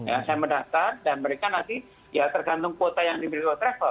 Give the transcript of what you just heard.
ya saya mendaftar dan mereka nanti ya tergantung kuota yang dimiliki oleh travel